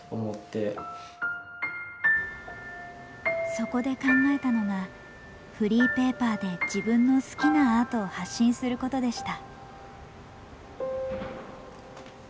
そこで考えたのがフリーペーパーで自分の好きなアートを発信することでした。